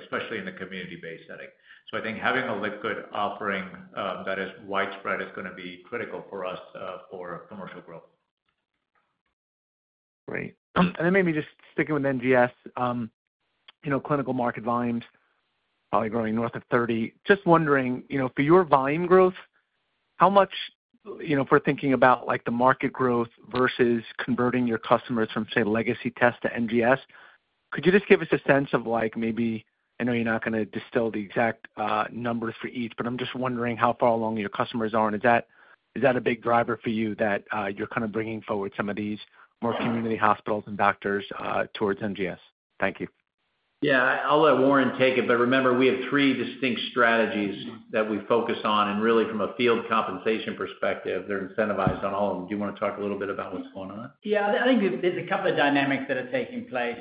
D: especially in the community-based setting. I think having a liquid offering that is widespread is gonna be critical for us for commercial growth.
T: Great. And then maybe just sticking with NGS, you know, clinical market volumes, probably growing north of 30. Just wondering, you know, for your volume growth, how much... You know, if we're thinking about, like, the market growth versus converting your customers from, say, legacy test to NGS, could you just give us a sense of, like, maybe, I know you're not gonna distill the exact, numbers for each, but I'm just wondering how far along your customers are, and is that, is that a big driver for you that, you're kind of bringing forward some of these more community hospitals and doctors, towards NGS? Thank you.
C: Yeah, I'll let Warren take it, but remember, we have three distinct strategies that we focus on, and really, from a field compensation perspective, they're incentivized on all of them. Do you want to talk a little bit about what's going on?
J: Yeah, I think there's a couple of dynamics that are taking place.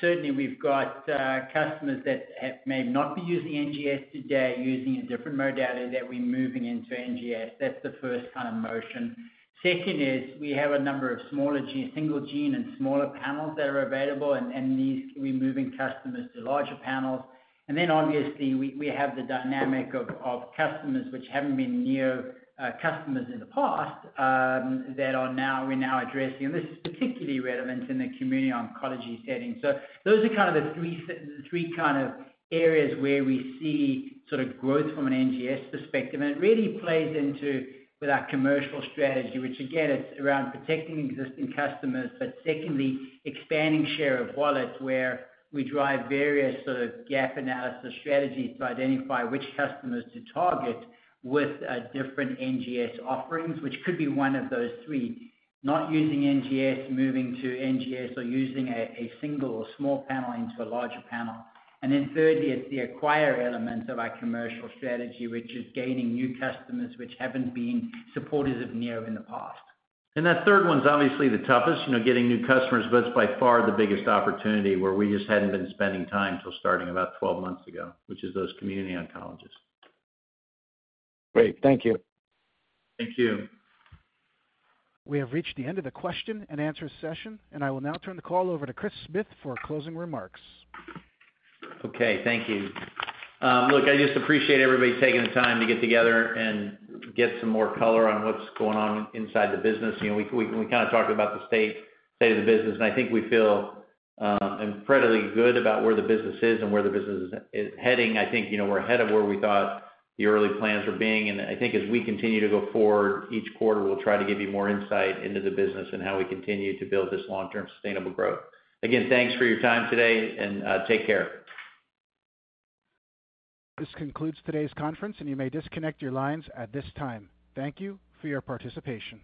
J: Certainly, we've got customers that may not be using NGS today, using a different modality that we're moving into NGS. That's the first kind of motion. Second is, we have a number of smaller gene, single gene and smaller panels that are available, and these, we're moving customers to larger panels. And then, obviously, we have the dynamic of customers which haven't been Neo customers in the past that are now we're now addressing, and this is particularly relevant in the community oncology setting. So those are kind of the three kind of areas where we see sort of growth from an NGS perspective. It really plays into with our commercial strategy, which again, is around protecting existing customers, but secondly, expanding share of wallet, where we drive various sort of gap analysis strategies to identify which customers to target with different NGS offerings, which could be one of those three: not using NGS, moving to NGS, or using a single or small panel into a larger panel. And then thirdly, it's the acquire element of our commercial strategy, which is gaining new customers, which haven't been supporters of Neo in the past.
C: That third one's obviously the toughest, you know, getting new customers, but it's by far the biggest opportunity where we just hadn't been spending time till starting about 12 months ago, which is those community oncologists.
T: Great. Thank you.
C: Thank you.
A: We have reached the end of the question-and-answer session, and I will now turn the call over to Chris Smith for closing remarks.
C: Okay. Thank you. Look, I just appreciate everybody taking the time to get together and get some more color on what's going on inside the business. You know, we kind of talked about the state of the business, and I think we feel incredibly good about where the business is and where the business is heading. I think, you know, we're ahead of where we thought the early plans were being, and I think as we continue to go forward, each quarter will try to give you more insight into the business and how we continue to build this long-term sustainable growth. Again, thanks for your time today, and take care.
A: This concludes today's conference, and you may disconnect your lines at this time. Thank you for your participation.